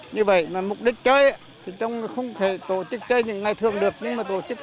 như vậy mục đích chơi không thể tổ chức chơi những ngày thường được